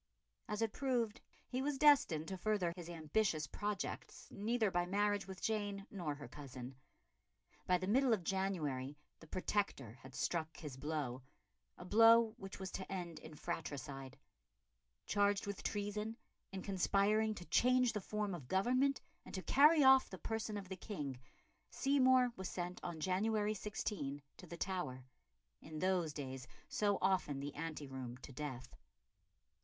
As it proved he was destined to further his ambitious projects neither by marriage with Jane nor her cousin. By the middle of January the Protector had struck his blow a blow which was to end in fratricide. Charged with treason, in conspiring to change the form of government and to carry off the person of the King, Seymour was sent on January 16 to the Tower in those days so often the ante room to death.